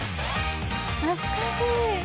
懐かしい。